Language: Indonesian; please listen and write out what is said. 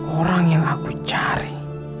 orang yang aku cari